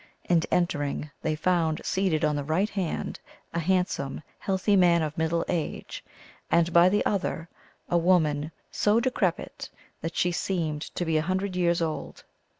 And, entering, they found seated on the right side a handsome, healthy man of middle age, and by the other a woman so decrepit that she seemed to be a hundred years old.